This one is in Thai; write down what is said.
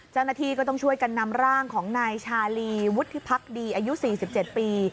เจ้าหน้าที่ก็ต้องช่วยกันนำร่างของนายชาลีวุฒิพักดีอายุ๔๗ปี